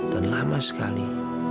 dan lama sekali